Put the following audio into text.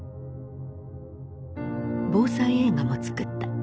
防災映画も作った。